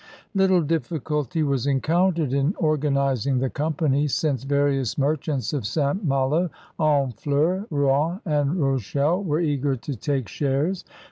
Little difficulty was encountered in organizing the company, since various merchants of St. Malo, Honfleur, Rouen, and Rochelle were eager to take shares.